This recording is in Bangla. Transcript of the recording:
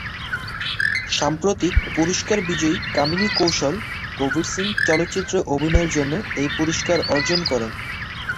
সাম্প্রতিক পুরস্কার বিজয়ী কামিনী কৌশল "কবির সিং" চলচ্চিত্রে অভিনয়ের জন্য এই পুরস্কার অর্জন করেন।